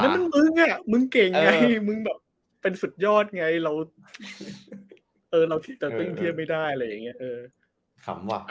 เฮ้ยมึงเก่งไงมึงแบบเป็นสุดยอดไงเราเออเราติดแต่วิ่งเทียบไม่ได้อะไรอย่างนี้